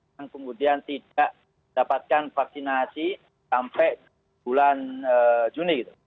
yang kemudian tidak dapatkan vaksinasi sampai bulan juni